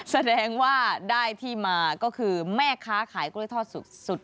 แสดงว่าได้ที่มาก็คือแม่ค้าขายกล้วยทอดสุด